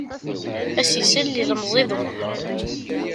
Ad as-isel ilemẓi d umɣar.